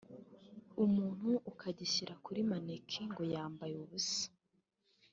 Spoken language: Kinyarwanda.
umuntu ukagishyira kuri manequin ngo yambaye ubusa